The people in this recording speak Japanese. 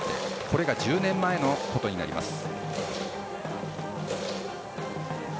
これが１０年前のことになります。